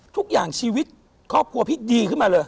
ทุกอย่างชีวิตครอบครัวพี่ดีขึ้นมาเลย